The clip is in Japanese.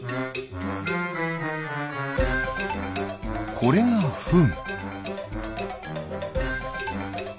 これがフン。